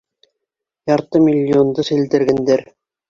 Ярты миллионды сәлдергәндәр